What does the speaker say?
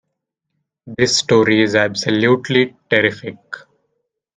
This story is absolutely terrific!